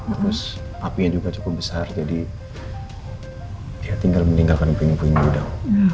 terus apinya juga cukup besar jadi ya tinggal meninggalkan punggung punggung udah